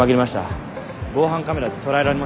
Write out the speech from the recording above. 防犯カメラで捉えられますか？